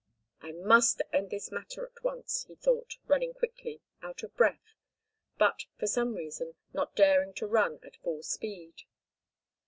"I must end this matter at once," he thought, running quickly, out of breath, but, for some reason, not daring to run at full speed.